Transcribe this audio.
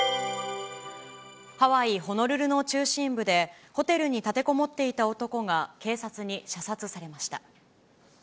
ハワイ・ホノルルの中心部で、ホテルに立てこもっていた男が警察に射殺されました。